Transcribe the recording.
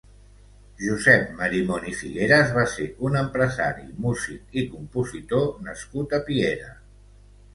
Josep Marimon i Figueras va ser un empresari, músic i compositor nascut a Piera.